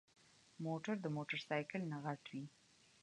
موټر د موټرسايکل نه غټ وي.